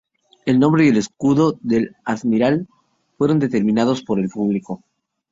El nombre y el escudo del Admiral fueron determinados por el público.